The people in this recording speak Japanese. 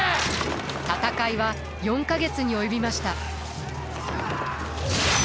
戦いは４か月に及びました。